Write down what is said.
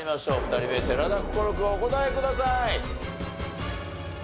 ２人目寺田心君お答えください。